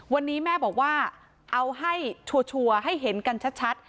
วันนี้แม่บอกว่าเอาให้ชัวร์ให้เห็นกันชัด